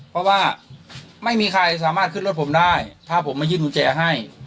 เพราะว่าไม่มีใครสามารถขึ้นรถผมได้ถ้าผมมายื่นกุญแจให้